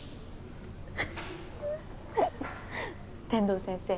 天堂先生